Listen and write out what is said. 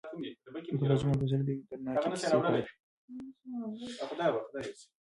دا د اجمل پسرلي د یوې دردناکې کیسې پای و.